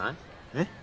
えっ？